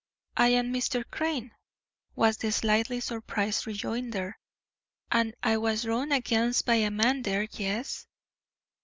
"I am Mr. Crane," was the slightly surprised rejoinder, "and I was run against by a man there, yes."